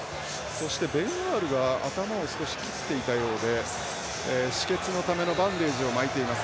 そして、ベン・アールが頭を少し切っていたようで止血のためのバンデージを巻いています。